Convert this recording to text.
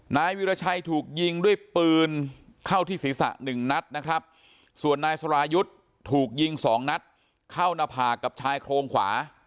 นายวิราชัยถูกยิงด้วยปืนเข้าที่ศีรษะหนึ่งนัดนะครับส่วนนายสรายุทธ์ถูกยิงสองนัดเข้าหน้าผากกับชายโครงขวา